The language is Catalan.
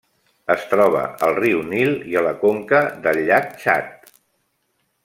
Es troba al riu Nil i a la conca del llac Txad.